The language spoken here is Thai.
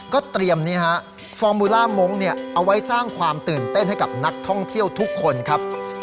ก็เตรียมฟอร์มูล่ามงค์เอาไว้สร้างความตื่นเต้นให้กับนักท่องเที่ยวทุกคนครับ